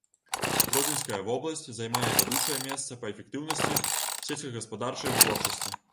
Гродзенская вобласць займае вядучае месца па эфектыўнасці сельскагаспадарчай вытворчасці.